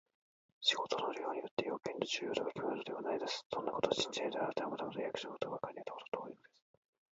仕事の量によって、用件の重要度がきまるのではないのです。そんなことを信じられるなら、あなたはまだまだ役所のことがわかるのにはほど遠いのです。